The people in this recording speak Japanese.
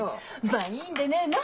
まあいいんでねえの。